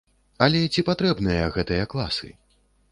Але ці патрэбныя гэтыя класы?